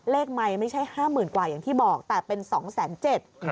เลขไมค์ไม่ใช่๕๐๐๐๐กว่าอย่างที่บอกแต่เป็น๒๗๐๐๐๐บาท